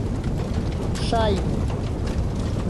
ŝajne